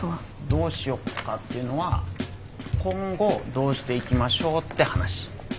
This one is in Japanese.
どうしようかっていうのは今後どうしていきましょうって話。